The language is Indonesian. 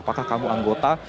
apakah kamu anggota